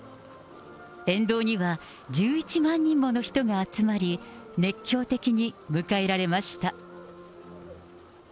沿道には１１万人もの人が集まり、熱狂的に迎えられました。